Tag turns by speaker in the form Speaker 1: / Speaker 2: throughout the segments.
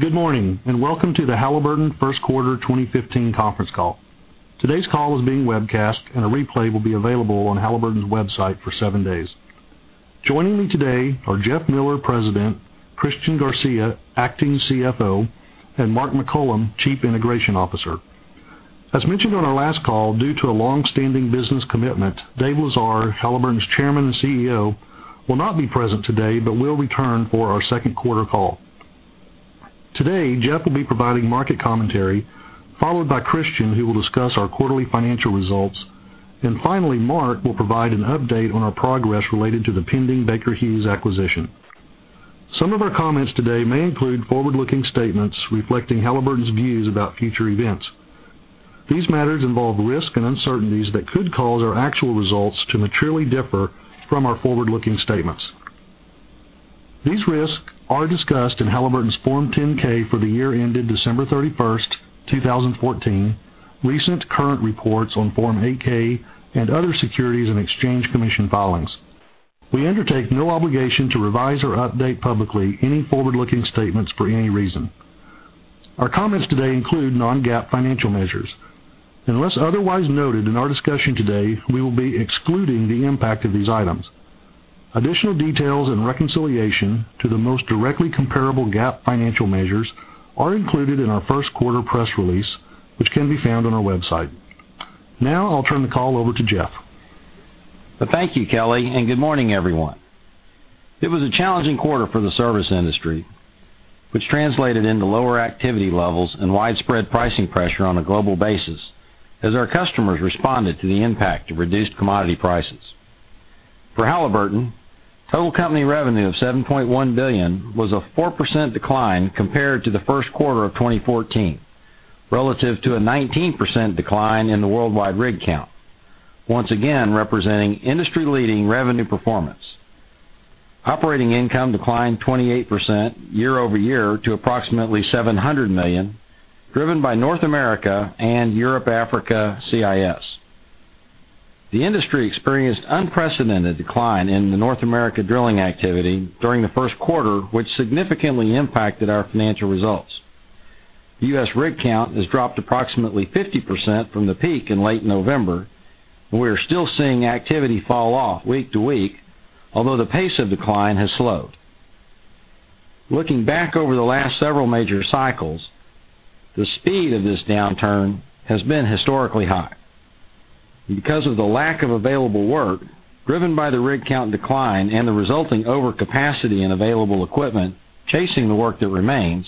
Speaker 1: Good morning, and welcome to the Halliburton first quarter 2015 conference call. Today's call is being webcast, and a replay will be available on Halliburton's website for seven days. Joining me today are Jeff Miller, President, Christian Garcia, Acting CFO, and Mark McCollum, Chief Integration Officer. As mentioned on our last call, due to a longstanding business commitment, Dave Lesar, Halliburton's Chairman and CEO, will not be present today but will return for our second quarter call. Today, Jeff will be providing market commentary, followed by Christian, who will discuss our quarterly financial results. Finally, Mark will provide an update on our progress related to the pending Baker Hughes acquisition. Some of our comments today may include forward-looking statements reflecting Halliburton's views about future events. These matters involve risks and uncertainties that could cause our actual results to materially differ from our forward-looking statements. These risks are discussed in Halliburton's Form 10-K for the year ended December 31st, 2014, recent current reports on Form 8-K, and other Securities and Exchange Commission filings. We undertake no obligation to revise or update publicly any forward-looking statements for any reason. Our comments today include non-GAAP financial measures. Unless otherwise noted in our discussion today, we will be excluding the impact of these items. Additional details and reconciliation to the most directly comparable GAAP financial measures are included in our first quarter press release, which can be found on our website. Now, I'll turn the call over to Jeff.
Speaker 2: Thank you, Kelly, and good morning, everyone. It was a challenging quarter for the service industry, which translated into lower activity levels and widespread pricing pressure on a global basis as our customers responded to the impact of reduced commodity prices. For Halliburton, total company revenue of $7.1 billion was a 4% decline compared to the first quarter of 2014, relative to a 19% decline in the worldwide rig count, once again representing industry-leading revenue performance. Operating income declined 28% year-over-year to approximately $700 million, driven by North America and Europe, Africa, CIS. The industry experienced unprecedented decline in the North America drilling activity during the first quarter, which significantly impacted our financial results. U.S. rig count has dropped approximately 50% from the peak in late November. We are still seeing activity fall off week to week, although the pace of decline has slowed. Looking back over the last several major cycles, the speed of this downturn has been historically high. Because of the lack of available work, driven by the rig count decline and the resulting overcapacity in available equipment chasing the work that remains,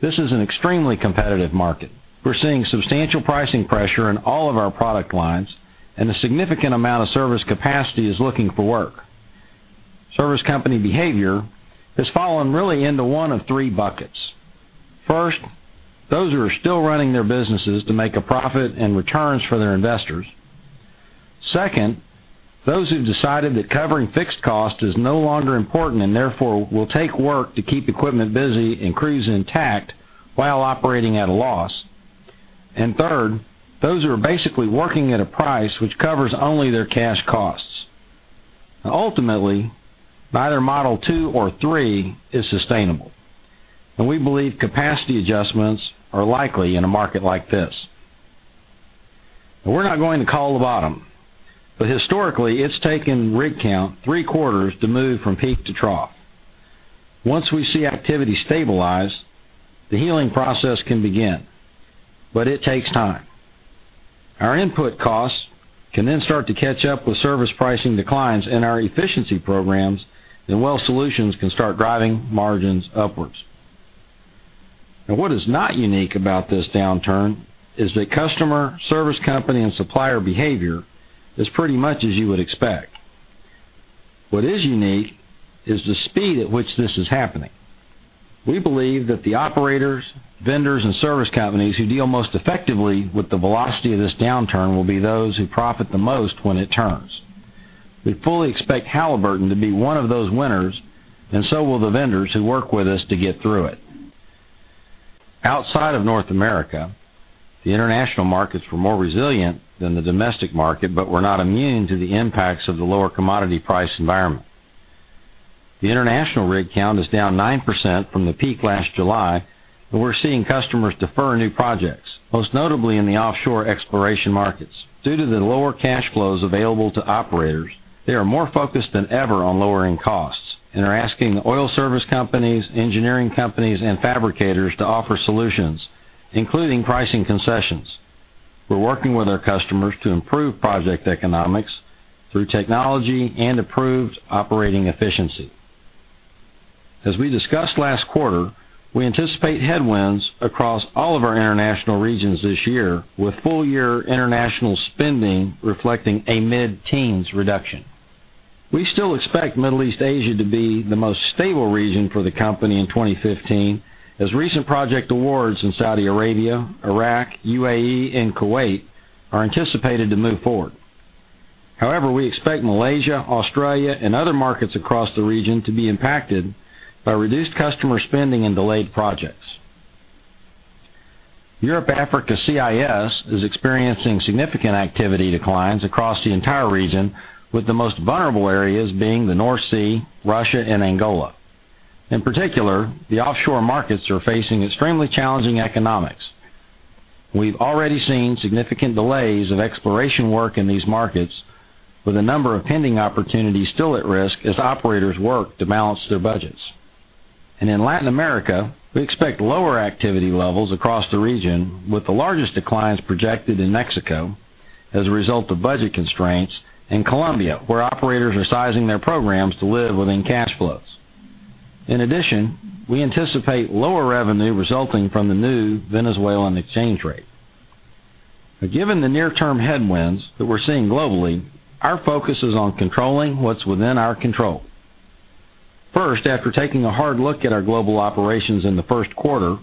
Speaker 2: this is an extremely competitive market. We're seeing substantial pricing pressure in all of our product lines, and a significant amount of service capacity is looking for work. Service company behavior has fallen really into one of three buckets. First, those who are still running their businesses to make a profit and returns for their investors. Second, those who've decided that covering fixed cost is no longer important and therefore will take work to keep equipment busy and crews intact while operating at a loss. Third, those who are basically working at a price which covers only their cash costs. Ultimately, neither model 2 or 3 is sustainable, and we believe capacity adjustments are likely in a market like this. We're not going to call the bottom. Historically, it's taken rig count 3 quarters to move from peak to trough. Once we see activity stabilize, the healing process can begin. It takes time. Our input costs can then start to catch up with service pricing declines in our efficiency programs. Well solutions can start driving margins upwards. What is not unique about this downturn is that customer, service company, and supplier behavior is pretty much as you would expect. What is unique is the speed at which this is happening. We believe that the operators, vendors, and service companies who deal most effectively with the velocity of this downturn will be those who profit the most when it turns. We fully expect Halliburton to be one of those winners. So will the vendors who work with us to get through it. Outside of North America, the international markets were more resilient than the domestic market. Were not immune to the impacts of the lower commodity price environment. The international rig count is down 9% from the peak last July. We're seeing customers defer new projects, most notably in the offshore exploration markets. Due to the lower cash flows available to operators, they are more focused than ever on lowering costs and are asking oil service companies, engineering companies, and fabricators to offer solutions, including pricing concessions. We're working with our customers to improve project economics through technology and improved operating efficiency. As we discussed last quarter, we anticipate headwinds across all of our international regions this year, with full-year international spending reflecting a mid-teens reduction. We still expect Middle East Asia to be the most stable region for the company in 2015, as recent project awards in Saudi Arabia, Iraq, UAE, and Kuwait are anticipated to move forward. However, we expect Malaysia, Australia, and other markets across the region to be impacted by reduced customer spending and delayed projects. Europe, Africa, CIS is experiencing significant activity declines across the entire region, with the most vulnerable areas being the North Sea, Russia, and Angola. In particular, the offshore markets are facing extremely challenging economics. We've already seen significant delays of exploration work in these markets, with a number of pending opportunities still at risk as operators work to balance their budgets. In Latin America, we expect lower activity levels across the region, with the largest declines projected in Mexico as a result of budget constraints, and Colombia, where operators are sizing their programs to live within cash flows. In addition, we anticipate lower revenue resulting from the new Venezuelan exchange rate. Given the near-term headwinds that we're seeing globally, our focus is on controlling what's within our control. First, after taking a hard look at our global operations in the first quarter,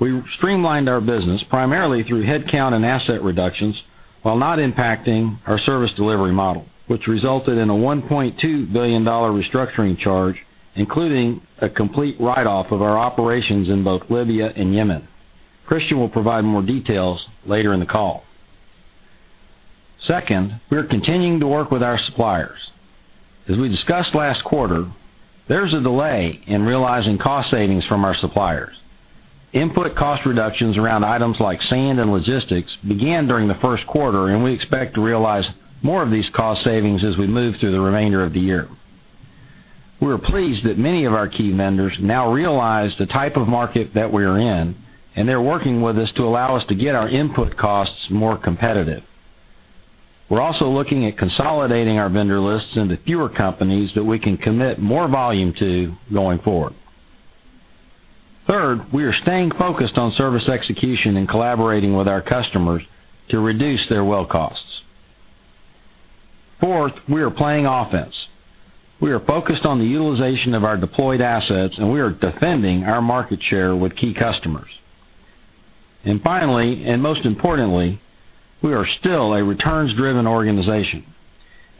Speaker 2: we streamlined our business primarily through headcount and asset reductions while not impacting our service delivery model, which resulted in a $1.2 billion restructuring charge, including a complete write-off of our operations in both Libya and Yemen. Christian will provide more details later in the call. Second, we're continuing to work with our suppliers. As we discussed last quarter, there's a delay in realizing cost savings from our suppliers. Input cost reductions around items like sand and logistics began during the first quarter, we expect to realize more of these cost savings as we move through the remainder of the year. We are pleased that many of our key vendors now realize the type of market that we are in, they're working with us to allow us to get our input costs more competitive. We're also looking at consolidating our vendor lists into fewer companies that we can commit more volume to going forward. Third, we are staying focused on service execution and collaborating with our customers to reduce their well costs. Fourth, we are playing offense. We are focused on the utilization of our deployed assets, we are defending our market share with key customers. Finally, and most importantly, we are still a returns-driven organization,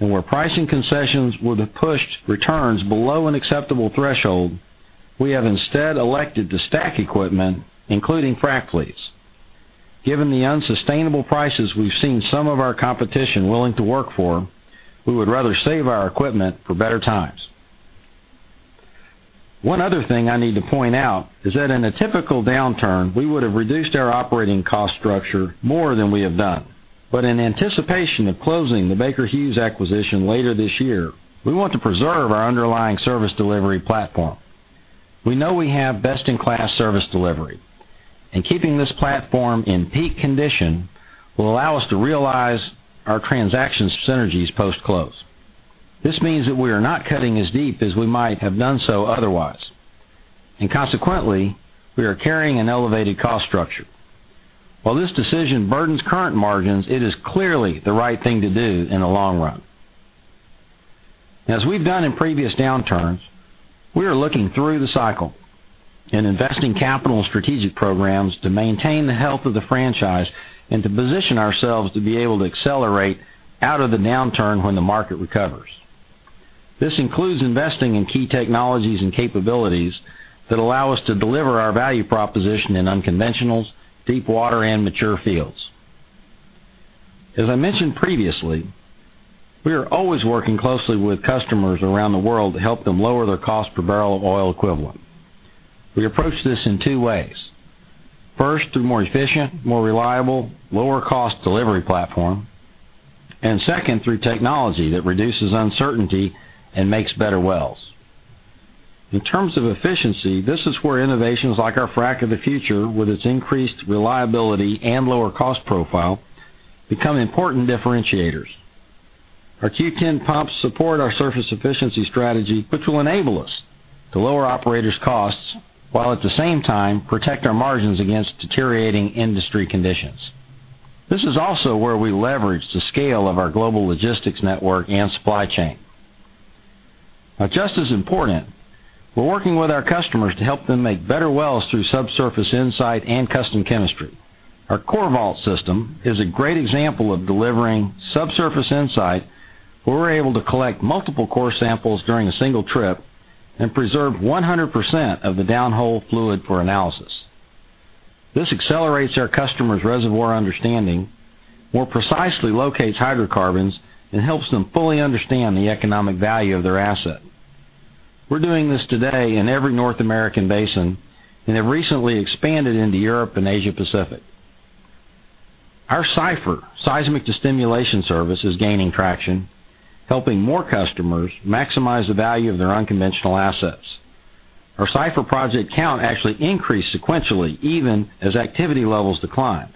Speaker 2: where pricing concessions would have pushed returns below an acceptable threshold, we have instead elected to stack equipment, including frac fleets. Given the unsustainable prices we've seen some of our competition willing to work for, we would rather save our equipment for better times. One other thing I need to point out is that in a typical downturn, we would have reduced our operating cost structure more than we have done. In anticipation of closing the Baker Hughes acquisition later this year, we want to preserve our underlying service delivery platform. We know we have best-in-class service delivery, keeping this platform in peak condition will allow us to realize our transaction synergies post-close. This means that we are not cutting as deep as we might have done so otherwise, consequently, we are carrying an elevated cost structure. While this decision burdens current margins, it is clearly the right thing to do in the long run. As we've done in previous downturns, we are looking through the cycle and investing capital in strategic programs to maintain the health of the franchise and to position ourselves to be able to accelerate out of the downturn when the market recovers. This includes investing in key technologies and capabilities that allow us to deliver our value proposition in unconventionals, deep water, and mature fields. As I mentioned previously, we are always working closely with customers around the world to help them lower their cost per barrel of oil equivalent. We approach this in two ways. First, through more efficient, more reliable, lower cost delivery platform, second, through technology that reduces uncertainty and makes better wells. In terms of efficiency, this is where innovations like our Frac of the Future with its increased reliability and lower cost profile become important differentiators. Our Q10 pumps support our surface efficiency strategy, which will enable us to lower operators' costs while at the same time protect our margins against deteriorating industry conditions. Just as important, we're working with our customers to help them make better wells through subsurface insight and custom chemistry. Our CoreVault system is a great example of delivering subsurface insight, where we're able to collect multiple core samples during a single trip and preserve 100% of the down-hole fluid for analysis. This accelerates our customers' reservoir understanding, more precisely locates hydrocarbons, and helps them fully understand the economic value of their asset. We're doing this today in every North American basin and have recently expanded into Europe and Asia Pacific. Our CYPHER seismic to stimulation service is gaining traction, helping more customers maximize the value of their unconventional assets. Our CYPHER project count actually increased sequentially even as activity levels declined.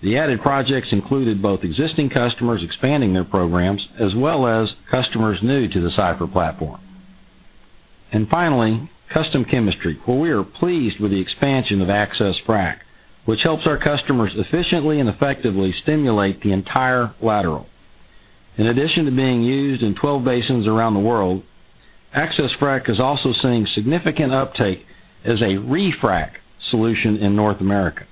Speaker 2: The added projects included both existing customers expanding their programs as well as customers new to the CYPHER platform. Finally, custom chemistry, where we are pleased with the expansion of AccessFrac, which helps our customers efficiently and effectively stimulate the entire lateral. In addition to being used in 12 basins around the world, AccessFrac is also seeing significant uptake as a refrac solution in North America.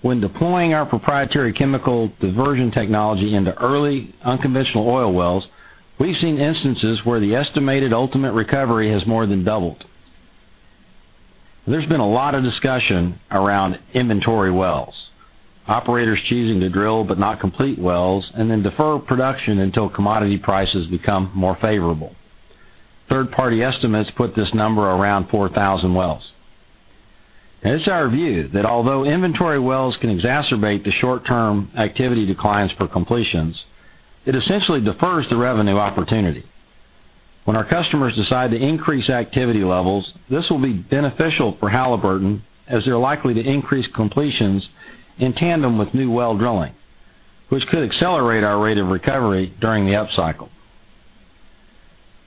Speaker 2: When deploying our proprietary chemical diversion technology into early unconventional oil wells, we've seen instances where the estimated ultimate recovery has more than doubled. There's been a lot of discussion around inventory wells, operators choosing to drill but not complete wells, and then defer production until commodity prices become more favorable. Third-party estimates put this number around 4,000 wells. It's our view that although inventory wells can exacerbate the short-term activity declines for completions, it essentially defers the revenue opportunity. When our customers decide to increase activity levels, this will be beneficial for Halliburton, as they're likely to increase completions in tandem with new well drilling, which could accelerate our rate of recovery during the upcycle.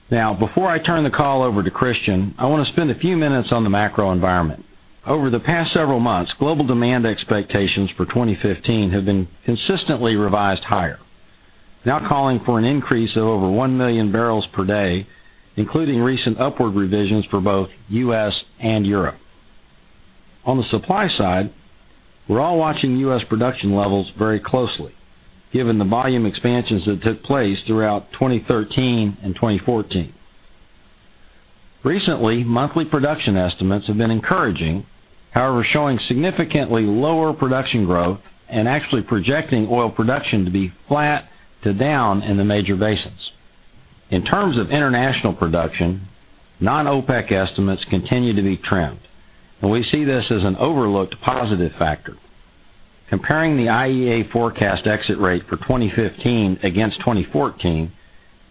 Speaker 2: Before I turn the call over to Christian, I want to spend a few minutes on the macro environment. Over the past several months, global demand expectations for 2015 have been consistently revised higher. Now calling for an increase of over 1 million barrels per day, including recent upward revisions for both U.S. and Europe. On the supply side, we're all watching U.S. production levels very closely, given the volume expansions that took place throughout 2013 and 2014. Recently, monthly production estimates have been encouraging, however, showing significantly lower production growth and actually projecting oil production to be flat to down in the major basins. In terms of international production, non-OPEC estimates continue to be trimmed, and we see this as an overlooked positive factor. Comparing the IEA forecast exit rate for 2015 against 2014,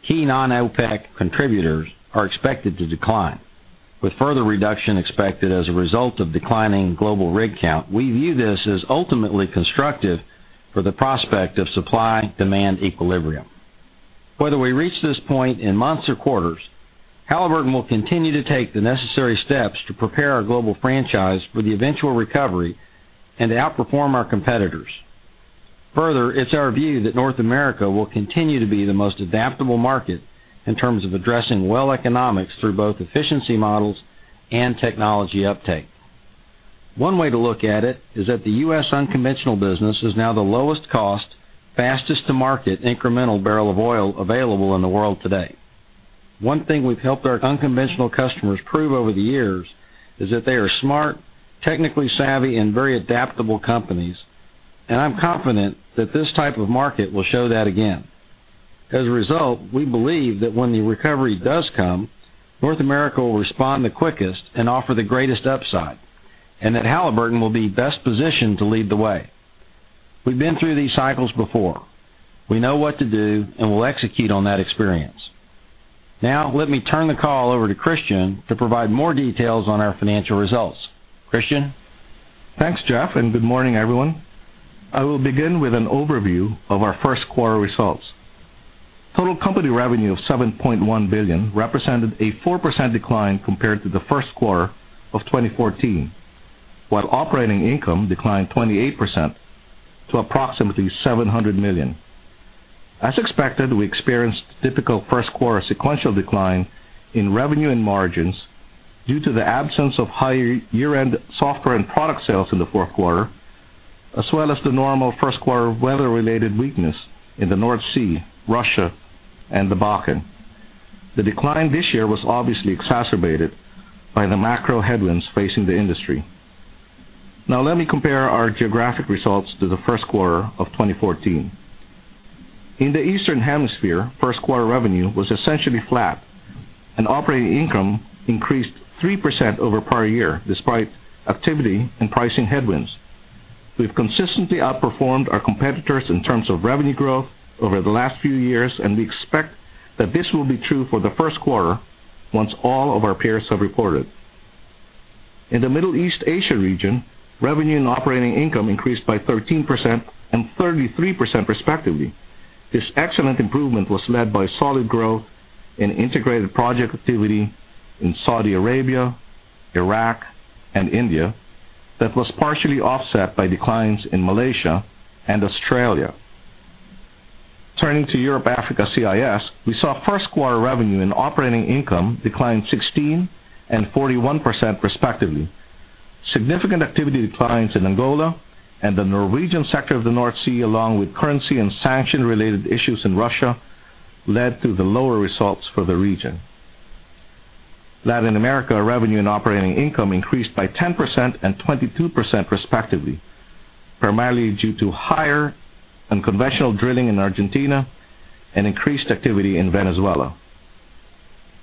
Speaker 2: key non-OPEC contributors are expected to decline, with further reduction expected as a result of declining global rig count. We view this as ultimately constructive for the prospect of supply-demand equilibrium. Whether we reach this point in months or quarters, Halliburton will continue to take the necessary steps to prepare our global franchise for the eventual recovery and to outperform our competitors. Further, it's our view that North America will continue to be the most adaptable market in terms of addressing well economics through both efficiency models and technology uptake. One way to look at it is that the U.S. unconventional business is now the lowest cost, fastest to market incremental barrel of oil available in the world today. One thing we've helped our unconventional customers prove over the years is that they are smart, technically savvy, and very adaptable companies, and I'm confident that this type of market will show that again. As a result, we believe that when the recovery does come, North America will respond the quickest and offer the greatest upside, and that Halliburton will be best positioned to lead the way. We've been through these cycles before. We know what to do, and we'll execute on that experience. Now, let me turn the call over to Christian to provide more details on our financial results. Christian?
Speaker 3: Thanks, Jeff, and good morning, everyone. I will begin with an overview of our first quarter results. Total company revenue of $7.1 billion represented a 4% decline compared to the first quarter of 2014, while operating income declined 28% to approximately $700 million. As expected, we experienced typical first quarter sequential decline in revenue and margins due to the absence of high year-end software and product sales in the fourth quarter, as well as the normal first quarter weather related weakness in the North Sea, Russia, and the Bakken. The decline this year was obviously exacerbated by the macro headwinds facing the industry. Let me compare our geographic results to the first quarter of 2014. In the Eastern Hemisphere, first quarter revenue was essentially flat, and operating income increased 3% over prior year, despite activity and pricing headwinds. We've consistently outperformed our competitors in terms of revenue growth over the last few years. We expect that this will be true for the first quarter once all of our peers have reported. In the Middle East Asia region, revenue and operating income increased by 13% and 33% respectively. This excellent improvement was led by solid growth in integrated project activity in Saudi Arabia, Iraq, and India that was partially offset by declines in Malaysia and Australia. Turning to Europe Africa CIS, we saw first quarter revenue and operating income decline 16% and 41% respectively. Significant activity declines in Angola and the Norwegian sector of the North Sea, along with currency and sanction related issues in Russia led to the lower results for the region. Latin America revenue and operating income increased by 10% and 22% respectively, primarily due to higher unconventional drilling in Argentina and increased activity in Venezuela.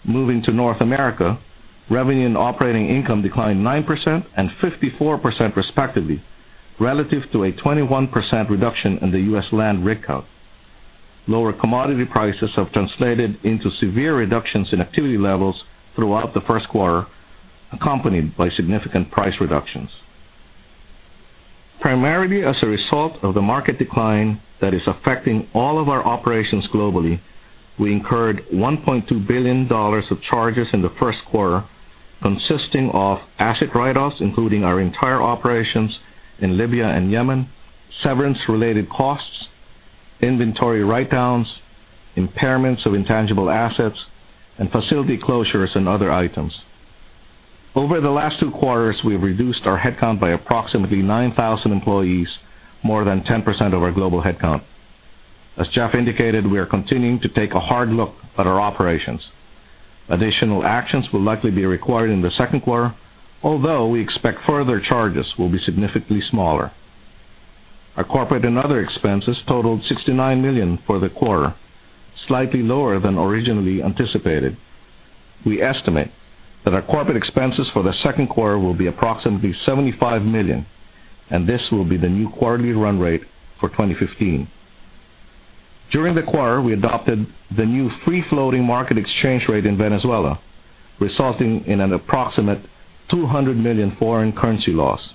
Speaker 3: Moving to North America, revenue and operating income declined 9% and 54% respectively, relative to a 21% reduction in the U.S. land rig count. Lower commodity prices have translated into severe reductions in activity levels throughout the first quarter, accompanied by significant price reductions. Primarily as a result of the market decline that is affecting all of our operations globally, we incurred $1.2 billion of charges in the first quarter, consisting of asset write-offs, including our entire operations in Libya and Yemen, severance related costs, inventory write-downs, impairments of intangible assets, and facility closures and other items. Over the last two quarters, we've reduced our headcount by approximately 9,000 employees, more than 10% of our global headcount. As Jeff indicated, we are continuing to take a hard look at our operations. Additional actions will likely be required in the second quarter, although we expect further charges will be significantly smaller. Our corporate and other expenses totaled $69 million for the quarter, slightly lower than originally anticipated. We estimate that our corporate expenses for the second quarter will be approximately $75 million. This will be the new quarterly run rate for 2015. During the quarter, we adopted the new free-floating market exchange rate in Venezuela, resulting in an approximate $200 million foreign currency loss.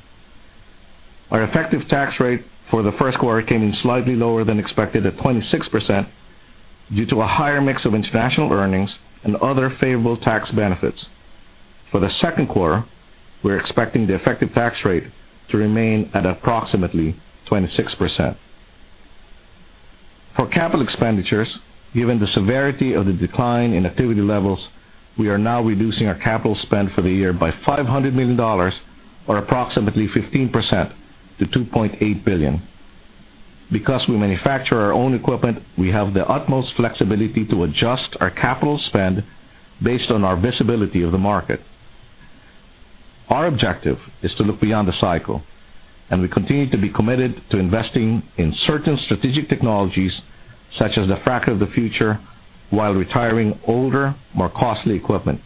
Speaker 3: Our effective tax rate for the first quarter came in slightly lower than expected at 26% due to a higher mix of international earnings and other favorable tax benefits. For the second quarter, we're expecting the effective tax rate to remain at approximately 26%. For capital expenditures, given the severity of the decline in activity levels, we are now reducing our capital spend for the year by $500 million or approximately 15% to $2.8 billion. Because we manufacture our own equipment, we have the utmost flexibility to adjust our capital spend based on our visibility of the market. Our objective is to look beyond the cycle. We continue to be committed to investing in certain strategic technologies, such as the Frac of the Future, while retiring older, more costly equipment.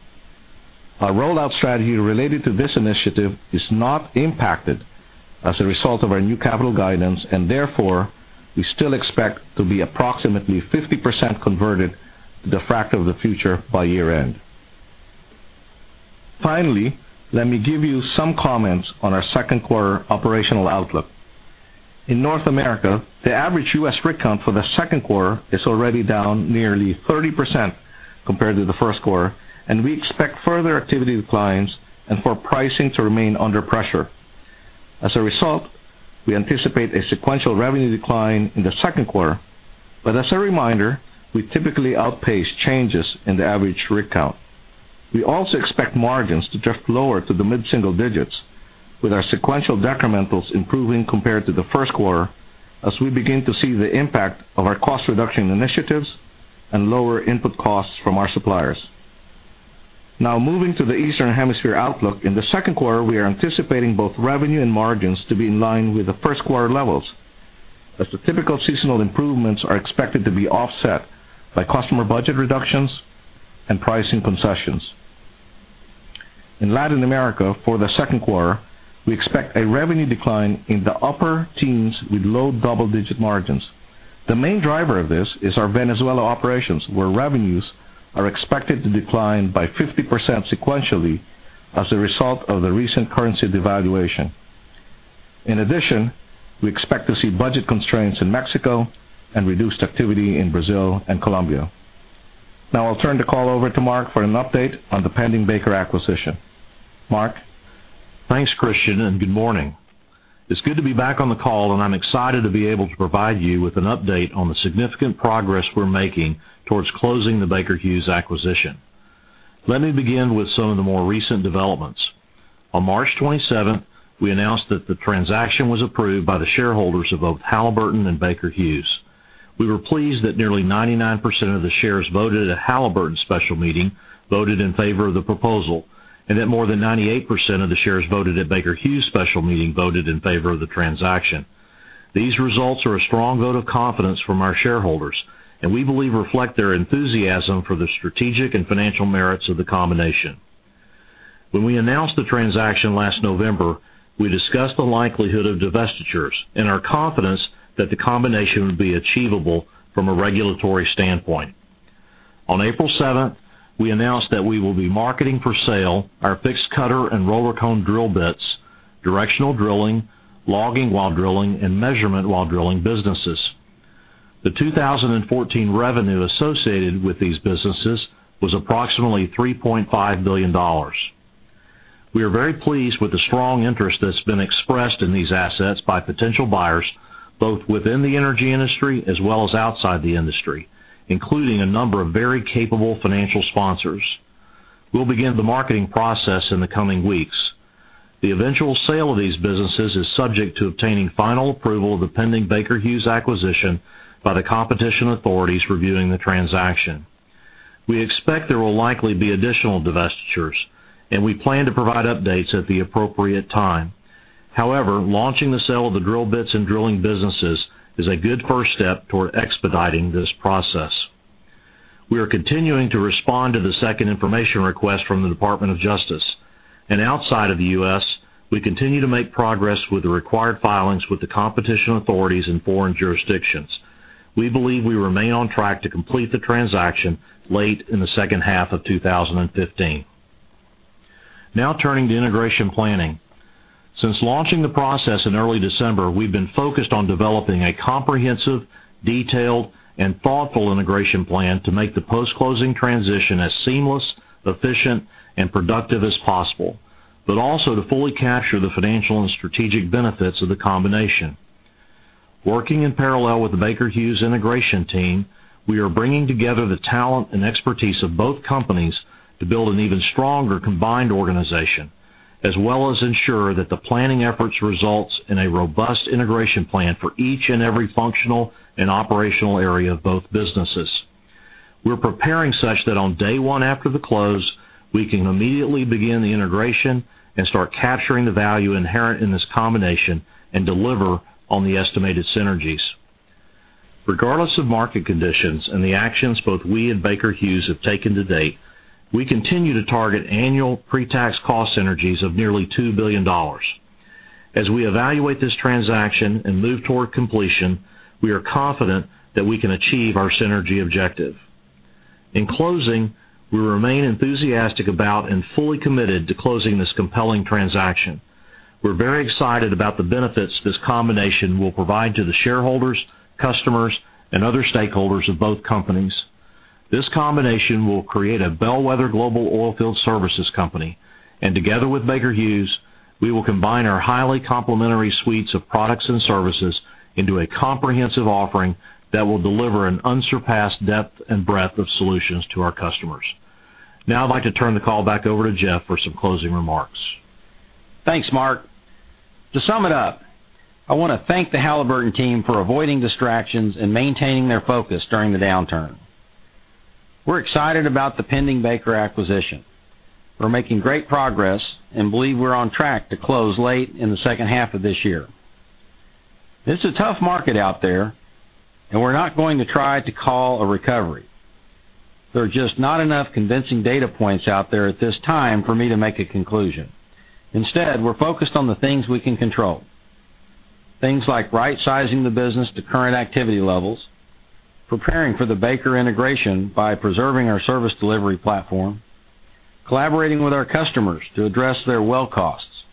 Speaker 3: Our rollout strategy related to this initiative is not impacted as a result of our new capital guidance. Therefore, we still expect to be approximately 50% converted to the Frac of the Future by year-end. Finally, let me give you some comments on our second quarter operational outlook. In North America, the average U.S. rig count for the second quarter is already down nearly 30% compared to the first quarter. We expect further activity declines and for pricing to remain under pressure. As a result, we anticipate a sequential revenue decline in the second quarter. As a reminder, we typically outpace changes in the average rig count. We also expect margins to drift lower to the mid-single digits with our sequential decrementals improving compared to the first quarter as we begin to see the impact of our cost reduction initiatives and lower input costs from our suppliers. Moving to the Eastern Hemisphere outlook. In the second quarter, we are anticipating both revenue and margins to be in line with the first quarter levels, as the typical seasonal improvements are expected to be offset by customer budget reductions and pricing concessions. In Latin America for the second quarter, we expect a revenue decline in the upper teens with low double-digit margins. The main driver of this is our Venezuela operations, where revenues are expected to decline by 50% sequentially as a result of the recent currency devaluation. In addition, we expect to see budget constraints in Mexico and reduced activity in Brazil and Colombia. I'll turn the call over to Mark for an update on the pending Baker acquisition. Mark?
Speaker 4: Thanks, Christian, good morning. It's good to be back on the call, and I'm excited to be able to provide you with an update on the significant progress we're making towards closing the Baker Hughes acquisition. Let me begin with some of the more recent developments. On March 27th, we announced that the transaction was approved by the shareholders of both Halliburton and Baker Hughes. We were pleased that nearly 99% of the shares voted at Halliburton special meeting voted in favor of the proposal, and that more than 98% of the shares voted at Baker Hughes special meeting voted in favor of the transaction. These results are a strong vote of confidence from our shareholders and we believe reflect their enthusiasm for the strategic and financial merits of the combination. When we announced the transaction last November, we discussed the likelihood of divestitures and our confidence that the combination would be achievable from a regulatory standpoint. On April 7th, we announced that we will be marketing for sale our fixed cutter and roller cone drill bits, directional drilling, logging while drilling, and measurement while drilling businesses. The 2014 revenue associated with these businesses was approximately $3.5 billion. We are very pleased with the strong interest that's been expressed in these assets by potential buyers, both within the energy industry as well as outside the industry, including a number of very capable financial sponsors. We'll begin the marketing process in the coming weeks. The eventual sale of these businesses is subject to obtaining final approval of the pending Baker Hughes acquisition by the competition authorities reviewing the transaction. We expect there will likely be additional divestitures. We plan to provide updates at the appropriate time. However, launching the sale of the drill bits and drilling businesses is a good first step toward expediting this process. We are continuing to respond to the second information request from the Department of Justice. Outside of the U.S., we continue to make progress with the required filings with the competition authorities in foreign jurisdictions. We believe we remain on track to complete the transaction late in the second half of 2015. Turning to integration planning. Since launching the process in early December, we've been focused on developing a comprehensive, detailed, and thoughtful integration plan to make the post-closing transition as seamless, efficient, and productive as possible. Also to fully capture the financial and strategic benefits of the combination. Working in parallel with the Baker Hughes integration team, we are bringing together the talent and expertise of both companies to build an even stronger combined organization, as well as ensure that the planning efforts results in a robust integration plan for each and every functional and operational area of both businesses. We're preparing such that on day one after the close, we can immediately begin the integration and start capturing the value inherent in this combination and deliver on the estimated synergies. Regardless of market conditions and the actions both we and Baker Hughes have taken to date, we continue to target annual pre-tax cost synergies of nearly $2 billion. As we evaluate this transaction and move toward completion, we are confident that we can achieve our synergy objective. In closing, we remain enthusiastic about and fully committed to closing this compelling transaction. We're very excited about the benefits this combination will provide to the shareholders, customers, and other stakeholders of both companies. This combination will create a bellwether global oil field services company, and together with Baker Hughes, we will combine our highly complementary suites of products and services into a comprehensive offering that will deliver an unsurpassed depth and breadth of solutions to our customers. I'd like to turn the call back over to Jeff for some closing remarks.
Speaker 2: Thanks, Mark. To sum it up, I want to thank the Halliburton team for avoiding distractions and maintaining their focus during the downturn. We're excited about the pending Baker acquisition. We're making great progress and believe we're on track to close late in the second half of this year. It's a tough market out there, and we're not going to try to call a recovery. There are just not enough convincing data points out there at this time for me to make a conclusion. Instead, we're focused on the things we can control. Things like right-sizing the business to current activity levels, preparing for the Baker integration by preserving our service delivery platform, collaborating with our customers to address their well costs,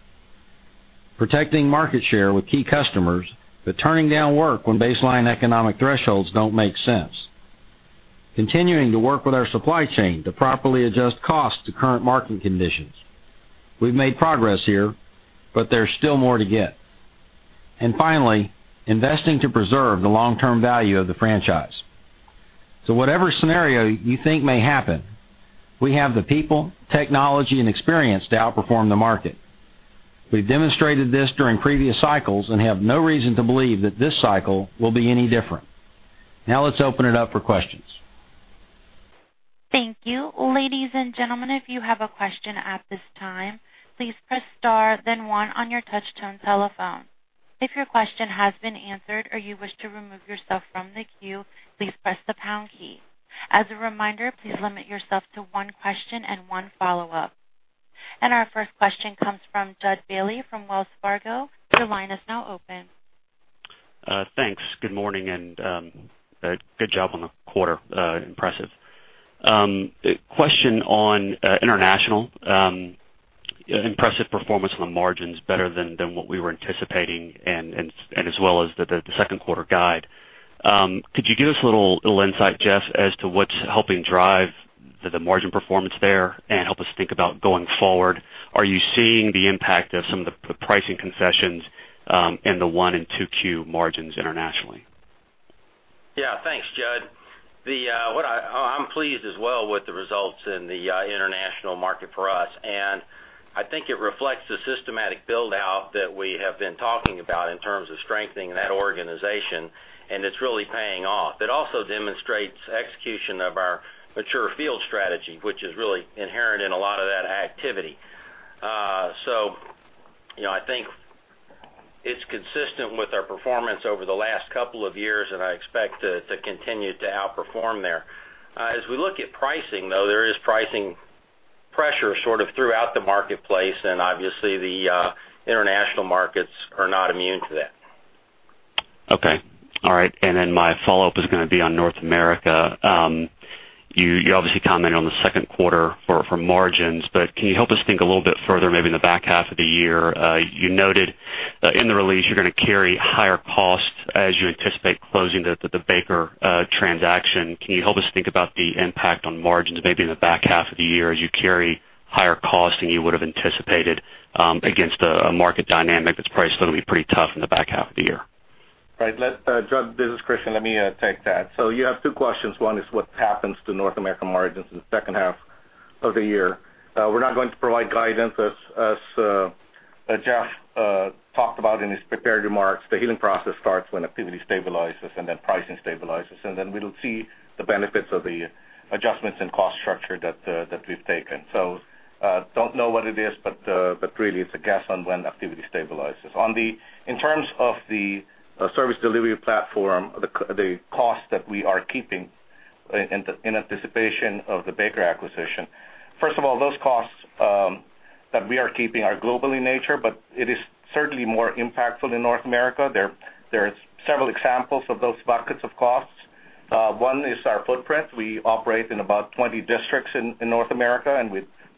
Speaker 2: protecting market share with key customers, but turning down work when baseline economic thresholds don't make sense. Continuing to work with our supply chain to properly adjust costs to current market conditions. We've made progress here, but there's still more to get. Finally, investing to preserve the long-term value of the franchise. Whatever scenario you think may happen, we have the people, technology, and experience to outperform the market. We've demonstrated this during previous cycles and have no reason to believe that this cycle will be any different. Let's open it up for questions.
Speaker 5: Thank you. Ladies and gentlemen, if you have a question at this time, please press star then one on your touchtone telephone. If your question has been answered or you wish to remove yourself from the queue, please press the pound key. As a reminder, please limit yourself to one question and one follow-up. Our first question comes from Jud Bailey from Wells Fargo. Your line is now open.
Speaker 6: Thanks. Good morning. Good job on the quarter. Impressive. Question on international. Impressive performance on the margins, better than what we were anticipating, and as well as the second quarter guide. Could you give us a little insight, Jeff, as to what's helping drive the margin performance there and help us think about going forward? Are you seeing the impact of some of the pricing concessions in the one and 2Q margins internationally?
Speaker 2: Yeah, thanks, Jud. I'm pleased as well with the results in the international market for us, and I think it reflects the systematic build-out that we have been talking about in terms of strengthening that organization, and it's really paying off. It also demonstrates execution of our mature field strategy, which is really inherent in a lot of that activity. I think it's consistent with our performance over the last couple of years, and I expect to continue to outperform there. As we look at pricing, though, there is pricing pressure sort of throughout the marketplace, and obviously, the international markets are not immune to that.
Speaker 6: Okay. All right. My follow-up is going to be on North America. You obviously commented on the second quarter for margins, but can you help us think a little bit further, maybe in the back half of the year? You noted in the release you're going to carry higher costs as you anticipate closing the Baker transaction. Can you help us think about the impact on margins maybe in the back half of the year as you carry higher costs than you would've anticipated against a market dynamic that's probably still going to be pretty tough in the back half of the year?
Speaker 3: Right. Jud, this is Christian. Let me take that. You have two questions. One is what happens to North American margins in the second half of the year. We're not going to provide guidance. As Jeff talked about in his prepared remarks, the healing process starts when activity stabilizes and then pricing stabilizes, and then we'll see the benefits of the adjustments in cost structure that we've taken. Don't know what it is, but really it's a guess on when activity stabilizes. In terms of the service delivery platform, the cost that we are keeping in anticipation of the Baker acquisition, first of all, those costs that we are keeping are global in nature, but it is certainly more impactful in North America. There's several examples of those buckets of costs. One is our footprint. We operate in about 20 districts in North America,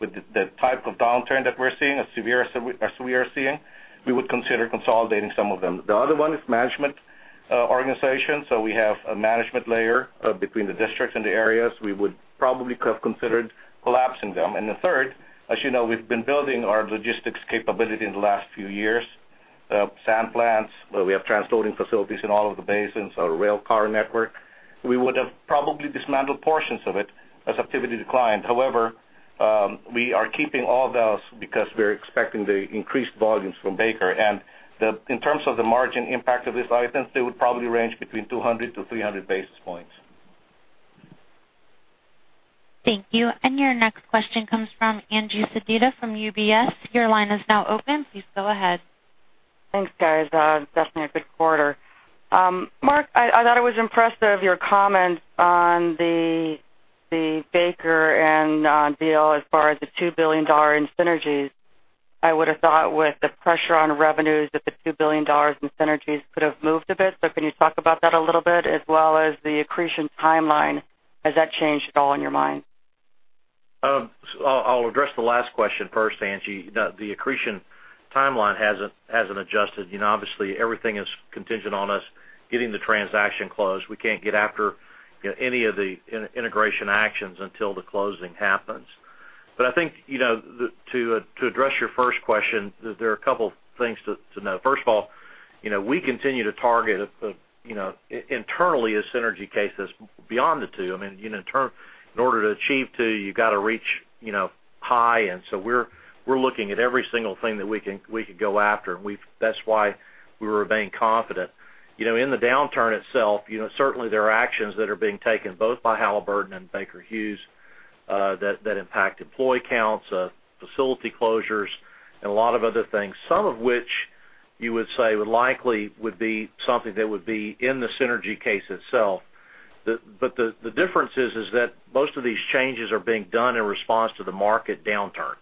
Speaker 3: with the type of downturn that we're seeing, as severe as we are seeing, we would consider consolidating some of them. The other one is management Organization. We have a management layer between the districts and the areas. We would probably have considered collapsing them. The third, as you know, we've been building our logistics capability in the last few years. Sand plants, where we have transloading facilities in all of the basins, our rail car network. We would have probably dismantled portions of it as activity declined. However, we are keeping all those because we're expecting the increased volumes from Baker. In terms of the margin impact of these items, they would probably range between 200 to 300 basis points.
Speaker 5: Thank you. Your next question comes from Angie Sedita from UBS. Your line is now open. Please go ahead.
Speaker 7: Thanks, guys. Definitely a good quarter. Mark, I thought I was impressed of your comments on the Baker Hughes deal as far as the $2 billion in synergies. I would have thought with the pressure on revenues that the $2 billion in synergies could have moved a bit. Can you talk about that a little bit as well as the accretion timeline? Has that changed at all in your mind?
Speaker 4: I'll address the last question first, Angie. The accretion timeline hasn't adjusted. Obviously, everything is contingent on us getting the transaction closed. We can't get after any of the integration actions until the closing happens. I think to address your first question, there are a couple things to note. First of all, we continue to target internally a synergy case that's beyond the two. In order to achieve two, you've got to reach high. We're looking at every single thing that we could go after, and that's why we were remaining confident. In the downturn itself, certainly there are actions that are being taken both by Halliburton and Baker Hughes that impact employee counts, facility closures, and a lot of other things. Some of which you would say would likely be something that would be in the synergy case itself. The difference is that most of these changes are being done in response to the market downturn.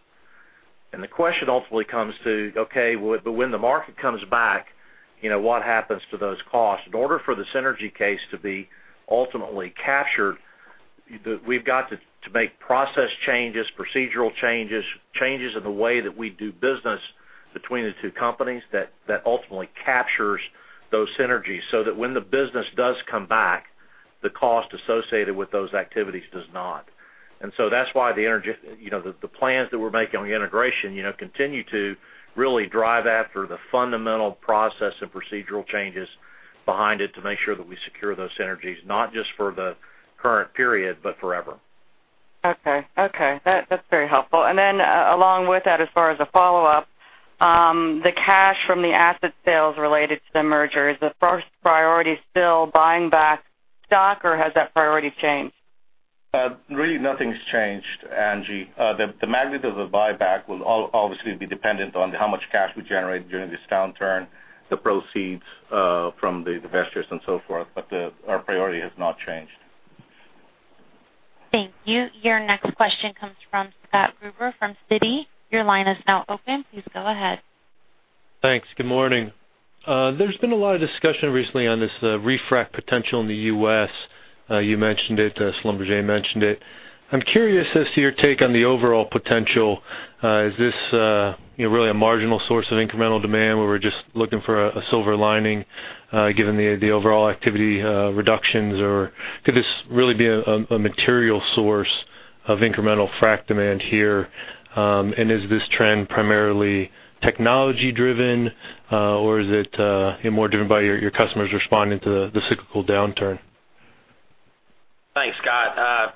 Speaker 4: The question ultimately comes to, okay, when the market comes back, what happens to those costs? In order for the synergy case to be ultimately captured, we've got to make process changes, procedural changes in the way that we do business between the two companies that ultimately captures those synergies, so that when the business does come back, the cost associated with those activities does not. That's why the plans that we're making on the integration continue to really drive after the fundamental process and procedural changes behind it to make sure that we secure those synergies, not just for the current period, but forever.
Speaker 7: Okay. That's very helpful. Along with that, as far as a follow-up, the cash from the asset sales related to the merger. Is the first priority still buying back stock, or has that priority changed?
Speaker 4: Really nothing's changed, Angie. The magnitude of the buyback will obviously be dependent on how much cash we generate during this downturn, the proceeds from the investors and so forth, but our priority has not changed.
Speaker 5: Thank you. Your next question comes from Scott Gruber from Citi. Your line is now open. Please go ahead.
Speaker 8: Thanks. Good morning. There has been a lot of discussion recently on this refrac potential in the U.S. You mentioned it, Schlumberger mentioned it. I am curious as to your take on the overall potential. Is this really a marginal source of incremental demand where we are just looking for a silver lining given the overall activity reductions, or could this really be a material source of incremental frac demand here? Is this trend primarily technology driven, or is it more driven by your customers responding to the cyclical downturn?
Speaker 2: Thanks, Scott.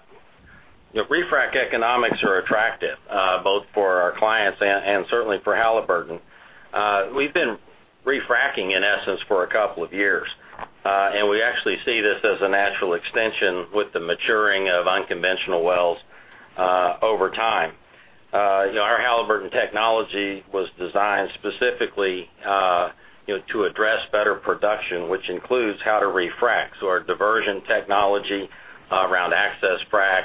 Speaker 2: Refrac economics are attractive both for our clients and certainly for Halliburton. We have been refracking in essence for a couple of years. We actually see this as a natural extension with the maturing of unconventional wells over time. Our Halliburton technology was designed specifically to address better production, which includes how to refrac. Our diversion technology around AccessFrac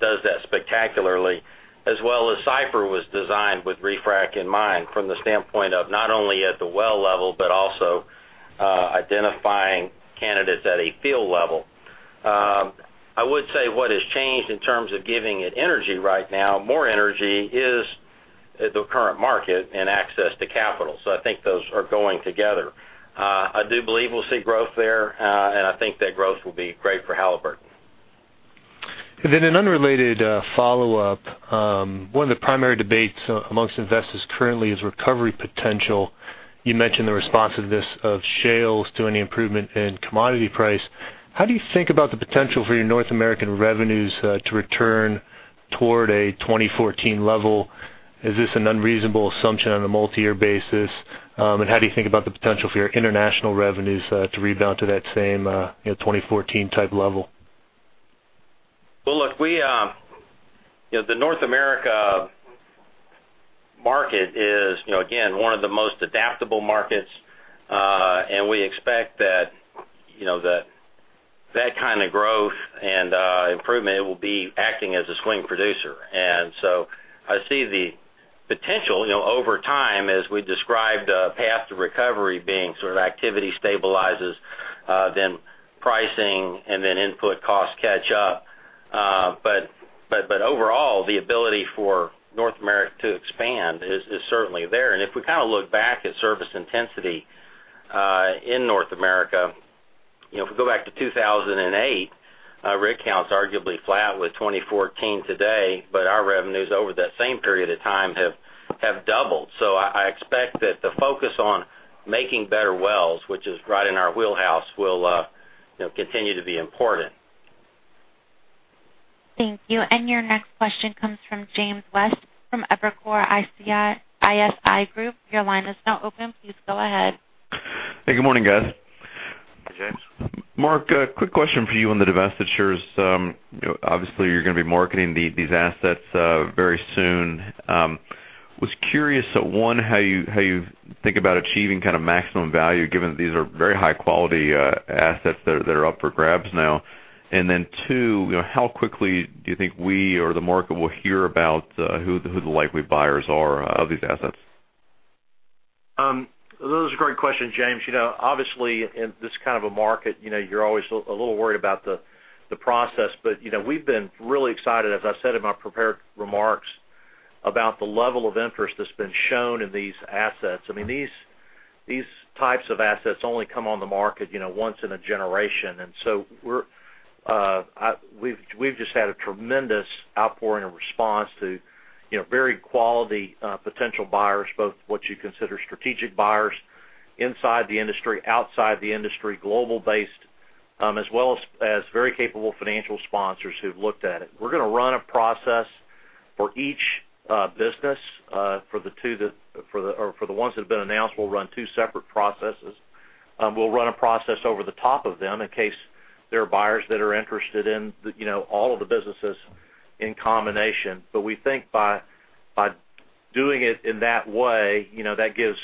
Speaker 2: does that spectacularly, as well as CYPHER was designed with refrac in mind from the standpoint of not only at the well level, but also identifying candidates at a field level. I would say what has changed in terms of giving it energy right now, more energy, is the current market and access to capital. I think those are going together. I do believe we will see growth there, and I think that growth will be great for Halliburton.
Speaker 8: Then an unrelated follow-up. One of the primary debates amongst investors currently is recovery potential. You mentioned the responsiveness of shales to any improvement in commodity price. How do you think about the potential for your North American revenues to return toward a 2014 level? Is this an unreasonable assumption on a multi-year basis? How do you think about the potential for your international revenues to rebound to that same 2014 type level?
Speaker 2: Well, look, the North America market is again, one of the most adaptable markets. We expect that kind of growth and improvement will be acting as a swing producer. I see the potential over time as we described a path to recovery being sort of activity stabilizes, then pricing, and then input costs catch up. Overall, the ability for North America to expand is certainly there. If we look back at service intensity in North America, if we go back to 2008, rig count's arguably flat with 2014 today, but our revenues over that same period of time have doubled. I expect that the focus on making better wells, which is right in our wheelhouse, will continue to be important.
Speaker 5: Thank you. Your next question comes from James West, from Evercore ISI Group. Your line is now open. Please go ahead.
Speaker 9: Hey, good morning, guys.
Speaker 2: Hey, James.
Speaker 9: Mark, a quick question for you on the divestitures. Obviously you're going to be marketing these assets very soon. Was curious, one, how you think about achieving maximum value, given that these are very high-quality assets that are up for grabs now. Then two, how quickly do you think we or the market will hear about who the likely buyers are of these assets?
Speaker 4: Those are great questions, James. Obviously, in this kind of a market, you're always a little worried about the process. We've been really excited, as I said in my prepared remarks, about the level of interest that's been shown in these assets. These types of assets only come on the market once in a generation. So we've just had a tremendous outpouring of response to very quality potential buyers, both what you consider strategic buyers inside the industry, outside the industry, global based, as well as very capable financial sponsors who've looked at it. We're going to run a process for each business. For the ones that have been announced, we'll run two separate processes. We'll run a process over the top of them in case there are buyers that are interested in all of the businesses in combination. We think by doing it in that way, that gives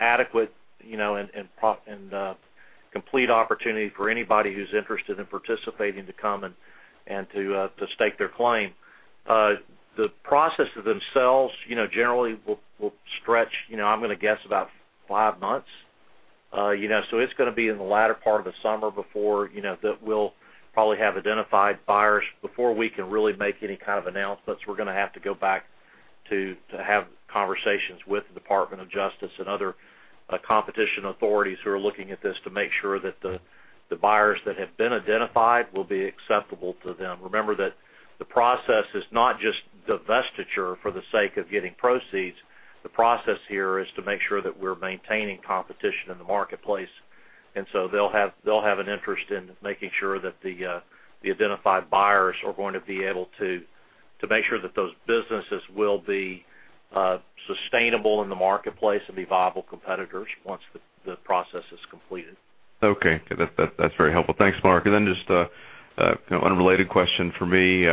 Speaker 4: adequate and complete opportunity for anybody who's interested in participating to come and to stake their claim. The processes themselves generally will stretch, I'm going to guess, about five months. It's going to be in the latter part of the summer that we'll probably have identified buyers. Before we can really make any kind of announcements, we're going to have to go back to have conversations with the Department of Justice and other competition authorities who are looking at this to make sure that the buyers that have been identified will be acceptable to them. Remember that the process is not just divestiture for the sake of getting proceeds. The process here is to make sure that we're maintaining competition in the marketplace. They'll have an interest in making sure that the identified buyers are going to be able to make sure that those businesses will be sustainable in the marketplace and be viable competitors once the process is completed.
Speaker 9: Okay. That's very helpful. Thanks, Mark. Just an unrelated question from me,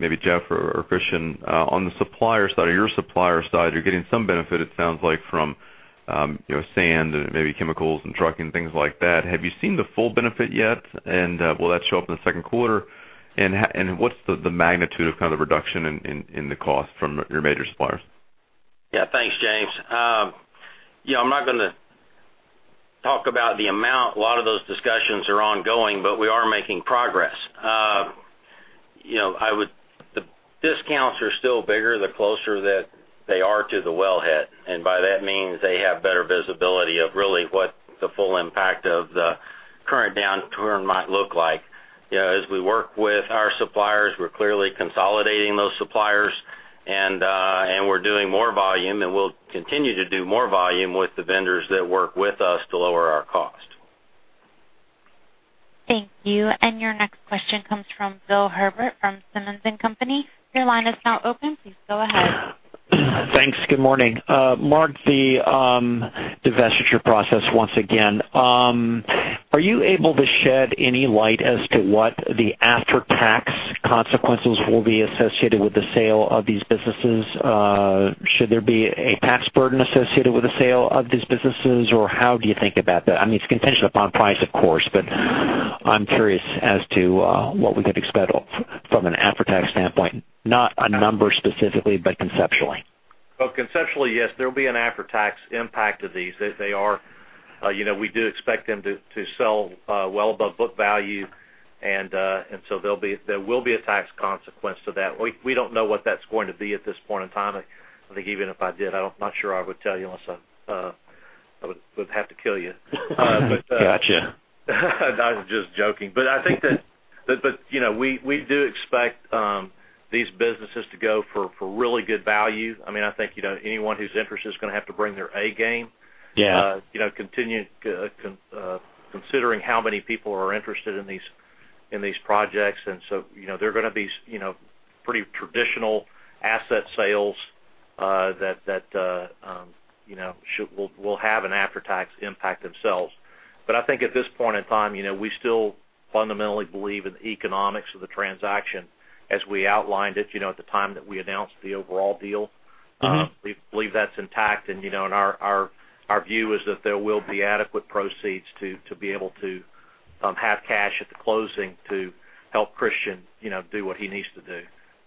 Speaker 9: maybe Jeff or Christian. On your supplier side, you're getting some benefit, it sounds like, from sand and maybe chemicals and trucking, things like that. Have you seen the full benefit yet? Will that show up in the second quarter? What's the magnitude of reduction in the cost from your major suppliers?
Speaker 2: Yeah. Thanks, James. I'm not going to talk about the amount. A lot of those discussions are ongoing, but we are making progress. The discounts are still bigger the closer that they are to the wellhead. By that means they have better visibility of really what the full impact of the current downturn might look like. As we work with our suppliers, we're clearly consolidating those suppliers, and we're doing more volume, and we'll continue to do more volume with the vendors that work with us to lower our cost.
Speaker 5: Thank you. Your next question comes from Bill Herbert from Simmons & Company. Your line is now open. Please go ahead.
Speaker 10: Thanks. Good morning. Mark, the divestiture process once again. Are you able to shed any light as to what the after-tax consequences will be associated with the sale of these businesses? Should there be a tax burden associated with the sale of these businesses, or how do you think about that? It's contingent upon price, of course, but I'm curious as to what we could expect from an after-tax standpoint. Not a number specifically, but conceptually.
Speaker 4: Well, conceptually, yes, there'll be an after-tax impact to these. We do expect them to sell well above book value, there will be a tax consequence to that. We don't know what that's going to be at this point in time. I think even if I did, I'm not sure I would tell you unless I would have to kill you.
Speaker 10: Gotcha.
Speaker 4: I was just joking. I think that we do expect these businesses to go for really good value. I think anyone who's interested is going to have to bring their A game.
Speaker 10: Yeah.
Speaker 4: Considering how many people are interested in these projects, they're going to be pretty traditional asset sales that will have an after-tax impact themselves. I think at this point in time, we still fundamentally believe in the economics of the transaction as we outlined it at the time that we announced the overall deal. We believe that's intact, and our view is that there will be adequate proceeds to be able to have cash at the closing to help Christian do what he needs to do.